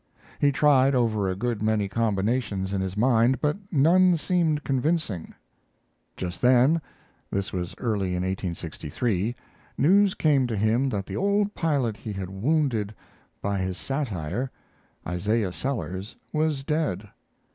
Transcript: He tried over a good many combinations in his mind, but none seemed convincing. Just then this was early in 1863 news came to him that the old pilot he had wounded by his satire, Isaiah Sellers, was dead.